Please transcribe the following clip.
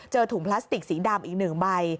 ถุงพลาสติกสีดำอีก๑ใบ